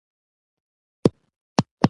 درسونه ډېر ځنډېدلي وو.